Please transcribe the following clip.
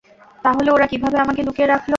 তাহলে ওরা কীভাবে আমাকে লুকিয়ে রাখল?